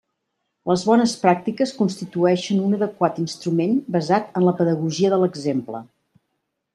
Les «bones pràctiques» constituïxen un adequat instrument basat en la pedagogia de l'exemple.